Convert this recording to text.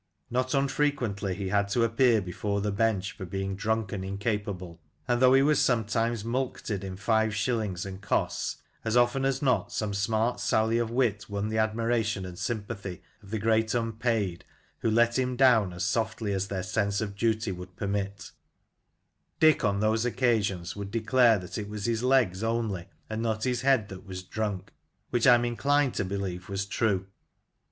Not unfrequently he had to appear before the Bench for being drunk and incapable, and though he was sometimes mulcted in five shillings and costs, as often as not some smart sally of wit won the admiration and sympathy of the Great Unpaid," who let him down as softly as their sense of duty would permit Dick, on those occasions, would declare that it was his legs only, and not his head that was drunk, which I am inclined to believe was true.